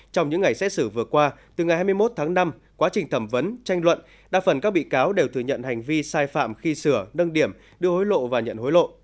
trong những ngày xét xử vừa qua từ ngày hai mươi một tháng năm quá trình thẩm vấn tranh luận đa phần các bị cáo đều thừa nhận hành vi sai phạm khi sửa nâng điểm đưa hối lộ và nhận hối lộ